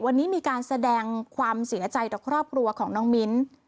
วันนี้มีการแสดงความเสียใจต่อครอบครัวของน้องมิ้น